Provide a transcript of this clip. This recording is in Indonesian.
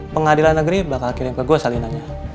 pengadilan negeri bakal kirim ke go salinannya